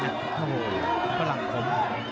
โอ้โหมันก็หลั่งผม